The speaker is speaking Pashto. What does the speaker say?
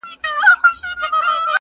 ترېنه جوړ امېل د غاړي د لیلا کړو,